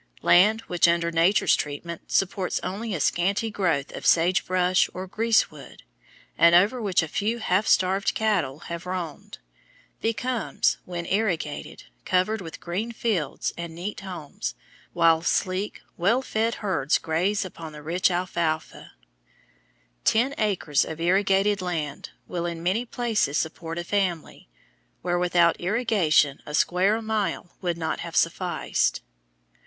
Land which under Nature's treatment supports only a scanty growth of sagebrush or greasewood, and over which a few half starved cattle have roamed, becomes, when irrigated, covered with green fields and neat homes, while sleek, well fed herds graze upon the rich alfalfa. Ten acres of irrigated land will in many places support a family, where without irrigation a square mile would not have sufficed.